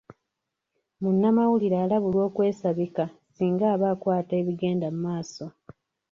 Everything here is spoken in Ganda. Munnamawulire alabulwa okwesabika singa aba akwata ebigenda maaso.